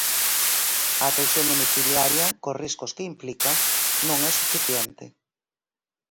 A atención domiciliaria, cos risco que implica, non é suficiente.